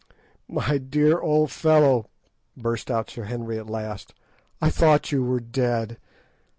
"My dear old fellow," burst out Sir Henry at last, "I thought you were dead.